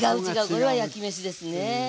これは焼きめしですね。